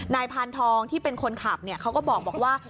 พานทองที่เป็นคนขับเขาก็บอกว่า